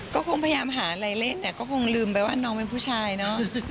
ก็คงพยายามหาอะไรเล่นแต่ก็คงลืมไปว่าน้องเป็นผู้ชายเนอะ